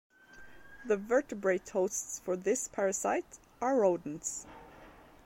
The vertebrate hosts for this parasite are rodents.